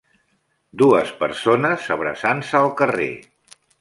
Dues persones abraçant-se al carrer.